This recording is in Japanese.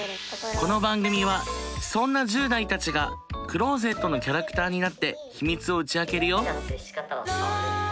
この番組はそんな１０代たちがクローゼットのキャラクターになって秘密を打ち明けるよ。